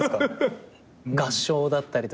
合唱だったりとか。